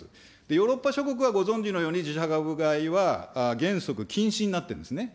ヨーロッパ諸国はご存じのように、自社株買いは原則禁止になってるんですね。